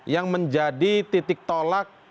yang menjadi titik tolak